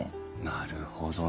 なるほどね。